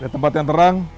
tempat yang terang